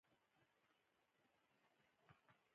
هغه باید عزتمند او مسؤلیت پیژندونکی وي.